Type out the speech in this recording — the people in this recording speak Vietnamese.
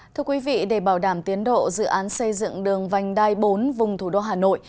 thưa quý vị để bảo đảm tiến độ dự án xây dựng đường vành đai bốn vùng thủ đô hà nội